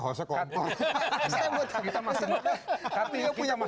kompor nih harusnya kompor